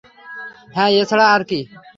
হ্যাঁ, এছাড়া আর কী?